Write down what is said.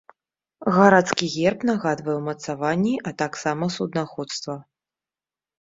Гарадскі герб нагадвае ўмацаванні, а таксама суднаходства.